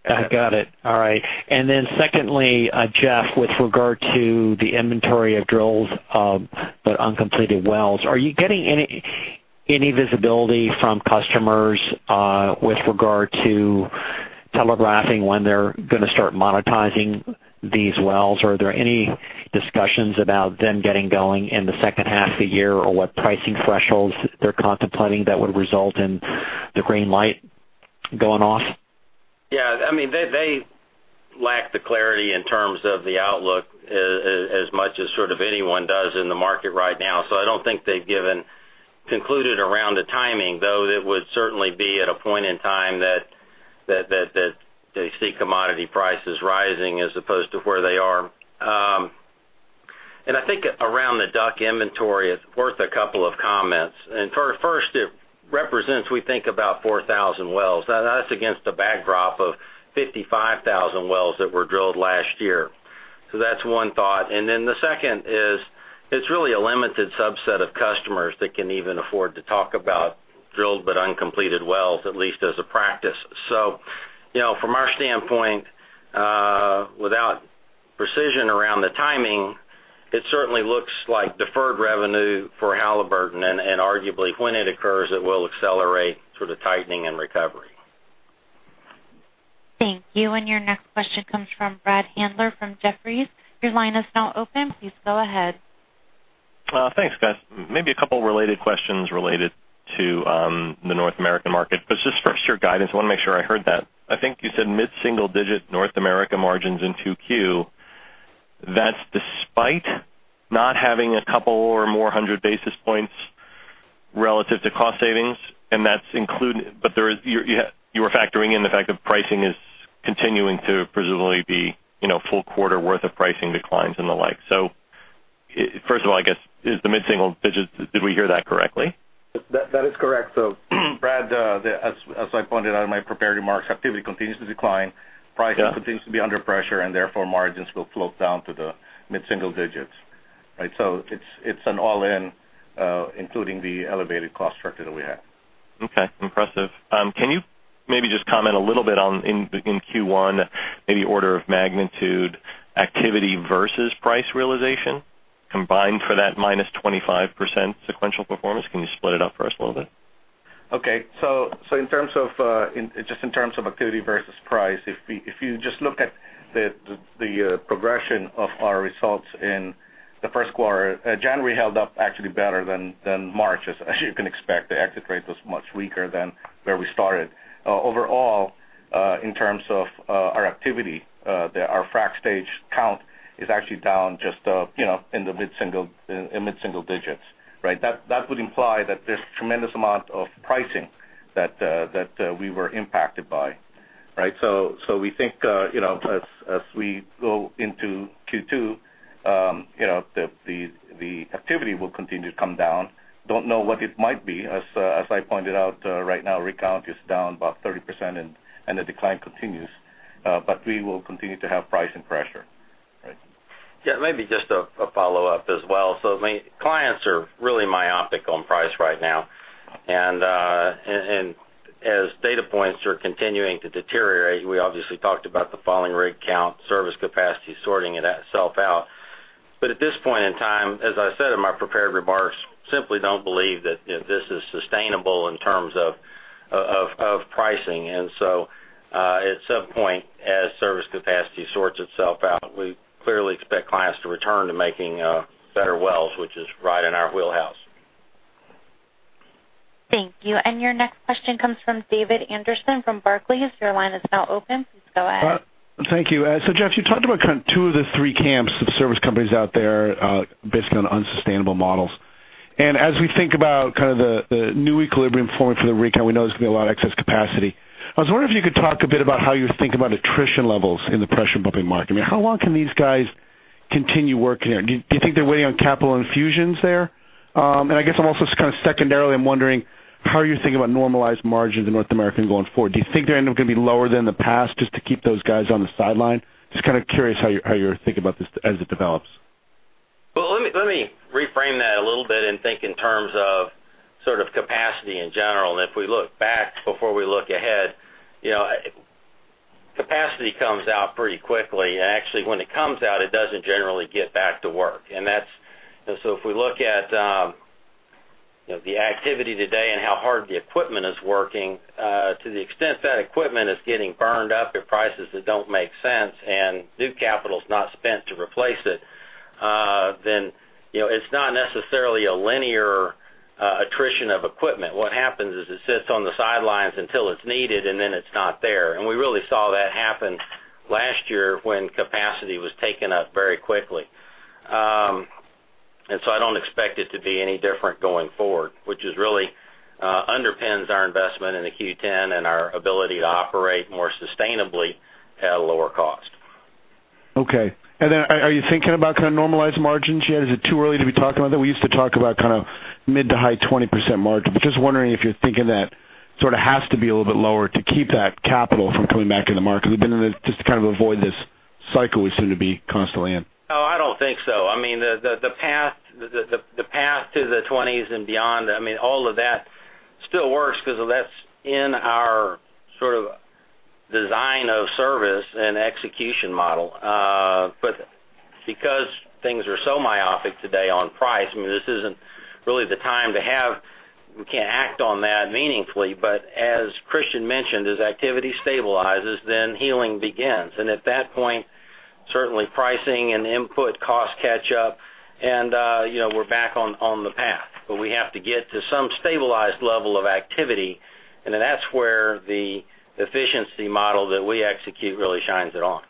Speaker 10: I got it. All right. Secondly, Jeff, with regard to the inventory of drilled but uncompleted wells, are you getting any visibility from customers with regard to telegraphing when they're going to start monetizing these wells? Are there any discussions about them getting going in the second half of the year, or what pricing thresholds they're contemplating that would result in the green light going off?
Speaker 2: Yeah. They lack the clarity in terms of the outlook as much as sort of anyone does in the market right now. I don't think they've concluded around the timing, though it would certainly be at a point in time that they see commodity prices rising as opposed to where they are. I think around the DUC inventory, it's worth a couple of comments. First, it represents, we think, about 4,000 wells. Now that's against the backdrop of 55,000 wells that were drilled last year. That's one thought. The second is, it's really a limited subset of customers that can even afford to talk about drilled but uncompleted wells, at least as a practice. From our standpoint, without precision around the timing, it certainly looks like deferred revenue for Halliburton. Arguably, when it occurs, it will accelerate sort of tightening and recovery.
Speaker 5: Thank you. Your next question comes from Brad Handler from Jefferies. Your line is now open. Please go ahead.
Speaker 11: Thanks, guys. Maybe a couple of related questions related to the North American market. Just first, your guidance, I want to make sure I heard that. I think you said mid-single digit North America margins in 2Q. That's despite not having a couple or more 100 basis points relative to cost savings, but you were factoring in the fact that pricing is continuing to presumably be full quarter worth of pricing declines and the like. First of all, I guess, is the mid-single digits, did we hear that correctly?
Speaker 3: That is correct. Brad, as I pointed out in my prepared remarks, activity continues to decline.
Speaker 11: Yeah.
Speaker 3: Pricing continues to be under pressure. Therefore, margins will float down to the mid-single digits. Right? It's an all-in, including the elevated cost structure that we have.
Speaker 11: Okay. Impressive. Can you maybe just comment a little bit on, in Q1, maybe order of magnitude activity versus price realization combined for that -25% sequential performance? Can you split it up for us a little bit?
Speaker 3: Okay. Just in terms of activity versus price, if you just look at the progression of our results in the first quarter, January held up actually better than March, as you can expect. The exit rate was much weaker than where we started. Overall, in terms of our activity, our frac stage count is actually down just in mid-single digits. Right? That would imply that there's tremendous amount of pricing that we were impacted by. Right? We think as we go into Q2 the activity will continue to come down. Don't know what it might be. As I pointed out, right now rig count is down about 30% and the decline continues. We will continue to have pricing pressure. Right?
Speaker 2: Yeah, maybe just a follow-up as well. Clients are really myopic on price right now, and as data points are continuing to deteriorate, we obviously talked about the falling rig count, service capacity sorting itself out. At this point in time, as I said in my prepared remarks, simply don't believe that this is sustainable in terms of pricing. At some point, as service capacity sorts itself out, we clearly expect clients to return to making better wells, which is right in our wheelhouse.
Speaker 5: Thank you. Your next question comes from David Anderson from Barclays. Your line is now open. Please go ahead.
Speaker 12: Thank you. Jeff, you talked about kind of two of the three camps of service companies out there, basically on unsustainable models. As we think about kind of the new equilibrium forming for the rig count, we know there's going to be a lot of excess capacity. I was wondering if you could talk a bit about how you think about attrition levels in the pressure pumping market. I mean, how long can these guys continue working here? Do you think they're waiting on capital infusions there? I guess I'm also just kind of secondarily, I'm wondering, how are you thinking about normalized margins in North America going forward? Do you think they're going to be lower than the past just to keep those guys on the sideline? Just kind of curious how you're thinking about this as it develops.
Speaker 2: Well, let me reframe that a little bit and think in terms of sort of capacity in general, if we look back before we look ahead. Capacity comes out pretty quickly, actually when it comes out, it doesn't generally get back to work. If we look at the activity today and how hard the equipment is working, to the extent that equipment is getting burned up at prices that don't make sense and new capital is not spent to replace it, then it's not necessarily a linear attrition of equipment. What happens is it sits on the sidelines until it's needed, and then it's not there. We really saw that happen last year when capacity was taken up very quickly. I don't expect it to be any different going forward, which just really underpins our investment in the Q10 and our ability to operate more sustainably at a lower cost.
Speaker 12: Okay. Are you thinking about kind of normalized margins yet? Is it too early to be talking about that? We used to talk about kind of mid to high 20% margins. I'm just wondering if you're thinking that sort of has to be a little bit lower to keep that capital from coming back in the market. Just to kind of avoid this cycle we seem to be constantly in.
Speaker 2: No, I don't think so. I mean, the path to the twenties and beyond, I mean, all of that still works because that's in our sort of design of service and execution model. But Things are so myopic today on price, this isn't really the time to act on that meaningfully. As Christian mentioned, as activity stabilizes, then healing begins. At that point, certainly pricing and input costs catch up and we're back on the path. We have to get to some stabilized level of activity, and then that's where the efficiency model that we execute really shines it on.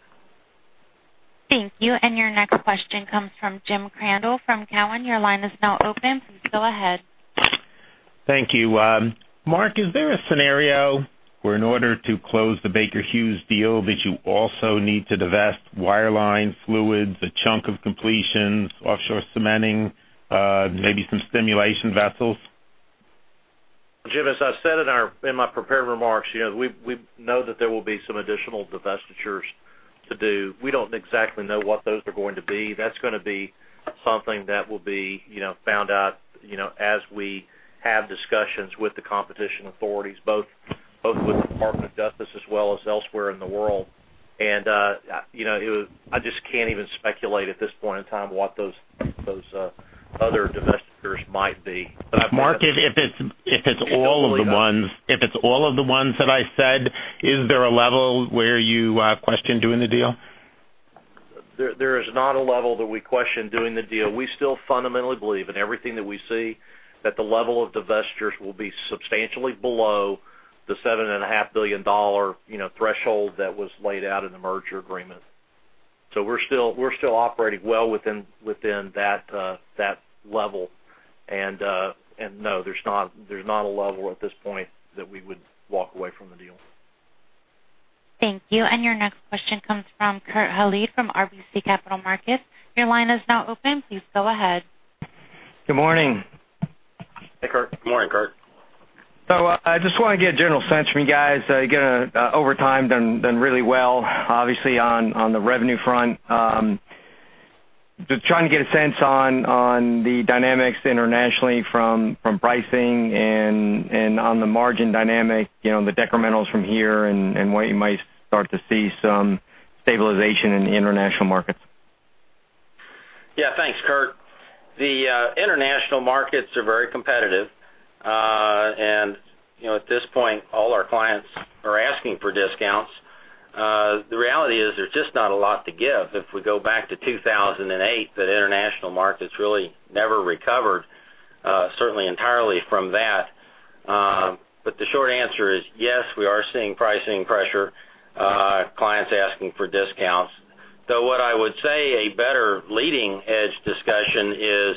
Speaker 5: Thank you. Your next question comes from Jim Crandell, from Cowen. Your line is now open. Please go ahead.
Speaker 13: Thank you. Mark, is there a scenario where in order to close the Baker Hughes deal, that you also need to divest wireline fluids, a chunk of completions, offshore cementing, maybe some stimulation vessels?
Speaker 4: Jim, as I said in my prepared remarks, we know that there will be some additional divestitures to do. We don't exactly know what those are going to be. That's going to be something that will be found out as we have discussions with the competition authorities, both with the Department of Justice as well as elsewhere in the world. I just can't even speculate at this point in time what those other divestitures might be.
Speaker 13: Mark, if it's all of the ones that I said, is there a level where you question doing the deal?
Speaker 4: There is not a level that we question doing the deal. We still fundamentally believe in everything that we see, that the level of divestures will be substantially below the $7.5 billion threshold that was laid out in the merger agreement. We're still operating well within that level. No, there's not a level at this point that we would walk away from the deal.
Speaker 5: Thank you. Your next question comes from Kurt Hallead from RBC Capital Markets. Your line is now open. Please go ahead.
Speaker 14: Good morning.
Speaker 2: Hey, Kurt. Good morning, Kurt.
Speaker 14: I just want to get a general sense from you guys. Again, over time done really well, obviously on the revenue front. Just trying to get a sense on the dynamics internationally from pricing and on the margin dynamic, the decrementals from here and when you might start to see some stabilization in the international markets.
Speaker 2: Yeah. Thanks, Kurt. The international markets are very competitive. At this point, all our clients are asking for discounts. The reality is there's just not a lot to give. If we go back to 2008, the international markets really never recovered, certainly entirely from that. The short answer is, yes, we are seeing pricing pressure, clients asking for discounts. Though what I would say a better leading edge discussion is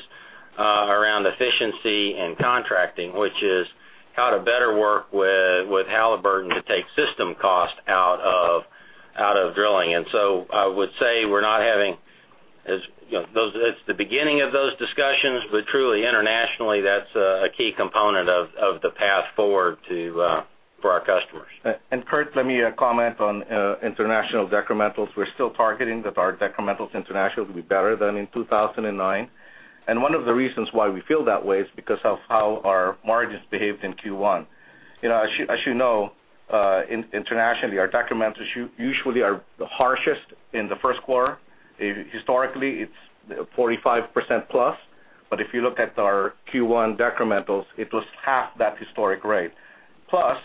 Speaker 2: around efficiency and contracting, which is how to better work with Halliburton to take system cost out of drilling. I would say it's the beginning of those discussions, but truly internationally, that's a key component of the path forward for our customers.
Speaker 3: Kurt, let me comment on international decrementals. We're still targeting that our decrementals international will be better than in 2009. One of the reasons why we feel that way is because of how our margins behaved in Q1. As you know, internationally, our decrementals usually are the harshest in the first quarter. Historically, it's 45%+. If you look at our Q1 decrementals, it was half that historic rate. Plus,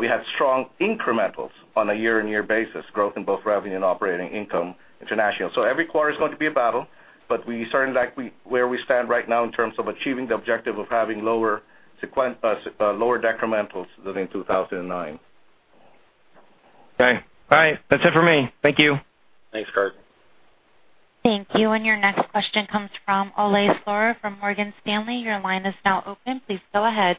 Speaker 3: we had strong incrementals on a year-on-year basis, growth in both revenue and operating income international. Every quarter is going to be a battle, but we certainly like where we stand right now in terms of achieving the objective of having lower decrementals than in 2009.
Speaker 14: Okay. All right. That's it for me. Thank you.
Speaker 2: Thanks, Kurt.
Speaker 5: Thank you. Your next question comes from Ole Slorer from Morgan Stanley. Your line is now open. Please go ahead.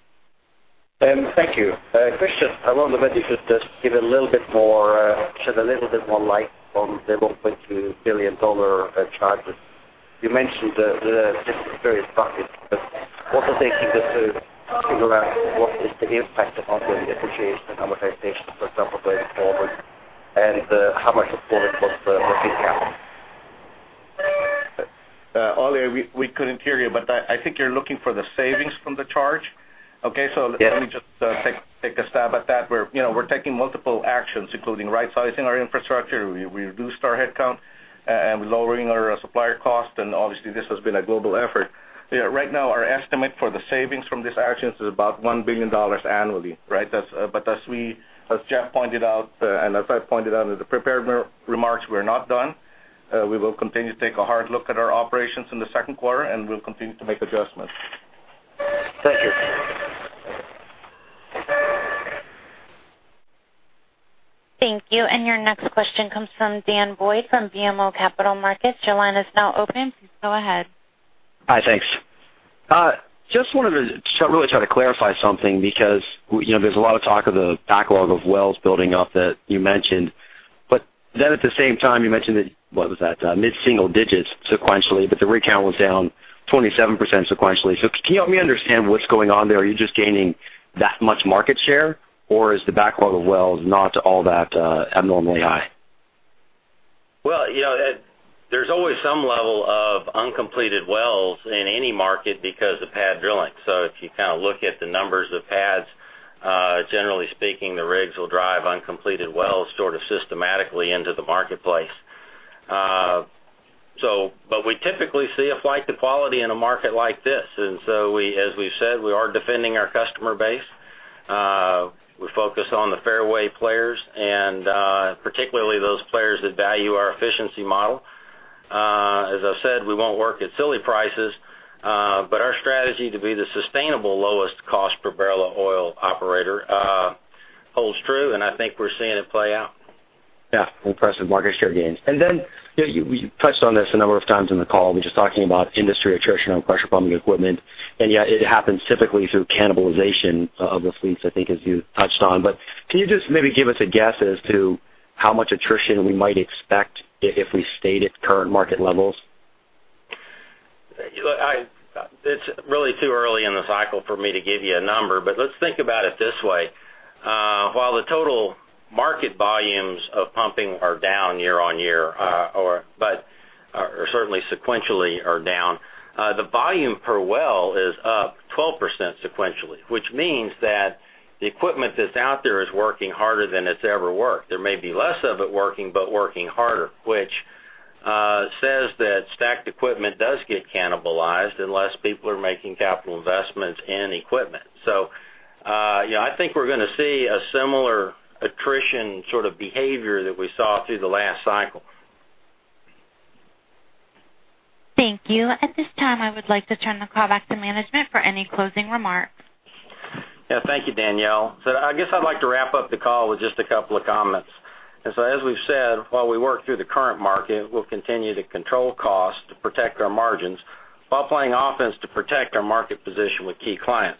Speaker 15: Thank you. Christian, I wonder whether you could just give a little bit more, shed a little bit more light on the $1.2 billion charge. You mentioned the various buckets, but also single out what is the impact of ongoing depreciation, amortization, for example, going forward, and how much of it was pre-cap?
Speaker 3: Ole, we couldn't hear you, but I think you're looking for the savings from the charge. Okay.
Speaker 15: Yes.
Speaker 3: Let me just take a stab at that. We're taking multiple actions, including right sizing our infrastructure, we reduced our headcount, we're lowering our supplier cost, obviously this has been a global effort. Right now our estimate for the savings from these actions is about $1 billion annually. As Jeff pointed out, as I pointed out in the prepared remarks, we're not done. We will continue to take a hard look at our operations in the second quarter, we'll continue to make adjustments.
Speaker 15: Thank you.
Speaker 5: Thank you. Your next question comes from Daniel Boyd from BMO Capital Markets. Your line is now open. Please go ahead.
Speaker 16: Hi, thanks. Just wanted to really try to clarify something because there's a lot of talk of the backlog of wells building up that you mentioned, at the same time you mentioned that, what was that? Mid-single digits sequentially, the rig count was down 27% sequentially. Can you help me understand what's going on there? Are you just gaining that much market share, or is the backlog of wells not all that abnormally high?
Speaker 2: Well, there's always some level of uncompleted wells in any market because of pad drilling. If you kind of look at the numbers of pads Generally speaking, the rigs will drive uncompleted wells sort of systematically into the marketplace. We typically see a flight to quality in a market like this. As we've said, we are defending our customer base. We focus on the fairway players and particularly those players that value our efficiency model. As I've said, we won't work at silly prices, but our strategy to be the sustainable lowest cost per barrel of oil operator holds true, and I think we're seeing it play out.
Speaker 16: Yeah, impressive market share gains. You touched on this a number of times in the call, we're just talking about industry attrition on pressure pumping equipment, and yet it happens typically through cannibalization of the fleets, I think, as you touched on. Can you just maybe give us a guess as to how much attrition we might expect if we stayed at current market levels?
Speaker 2: It's really too early in the cycle for me to give you a number, but let's think about it this way. While the total market volumes of pumping are down year-over-year, but certainly sequentially are down, the volume per well is up 12% sequentially, which means that the equipment that's out there is working harder than it's ever worked. There may be less of it working, but working harder, which says that stacked equipment does get cannibalized unless people are making capital investments in equipment. I think we're going to see a similar attrition sort of behavior that we saw through the last cycle.
Speaker 5: Thank you. At this time, I would like to turn the call back to management for any closing remarks.
Speaker 2: Yeah. Thank you, Danielle. I guess I'd like to wrap up the call with just a couple of comments. As we've said, while we work through the current market, we'll continue to control costs to protect our margins while playing offense to protect our market position with key clients.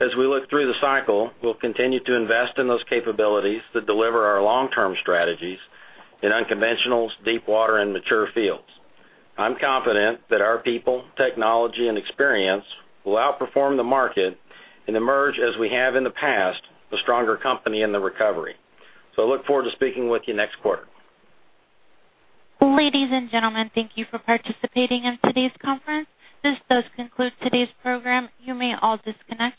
Speaker 2: As we look through the cycle, we'll continue to invest in those capabilities that deliver our long-term strategies in unconventionals, deep water, and mature fields. I'm confident that our people, technology, and experience will outperform the market and emerge, as we have in the past, a stronger company in the recovery. I look forward to speaking with you next quarter.
Speaker 5: Ladies and gentlemen, thank you for participating in today's conference. This does conclude today's program. You may all disconnect.